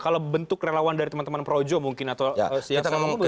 kalau bentuk relawan dari teman teman projo mungkin atau siasat